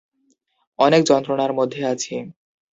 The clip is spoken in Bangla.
অনেক যন্ত্রণার মধ্যে আছি।